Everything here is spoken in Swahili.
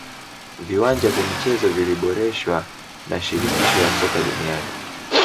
viwanja vya michezo viliboreshwa na shirikisho la soka duniani